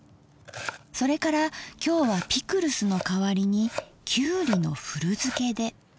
それから今日はピクルスの代わりにきゅうりの古漬けで。